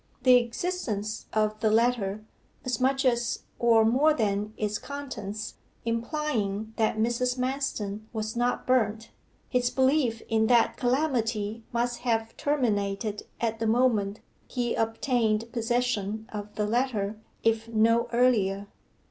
The existence of the letter as much as, or more than its contents implying that Mrs. Manston was not burnt, his belief in that calamity must have terminated at the moment he obtained possession of the letter, if no earlier.